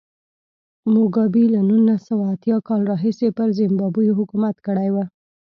موګابي له نولس سوه اتیا کال راهیسې پر زیمبابوې حکومت کړی و.